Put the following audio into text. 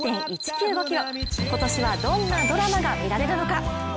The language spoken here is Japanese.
今年はどんなドラマが見られるのか。